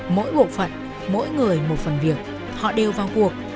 mỗi bộ phận mỗi người một phần việc họ đều vào cuộc